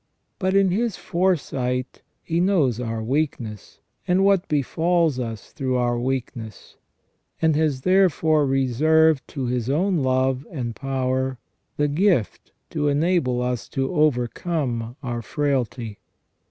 But in His foresight He knows our weakness, and what befalls us through our weakness, and has therefore reserved to His own love and power the gift to enable us to overcome our frailty.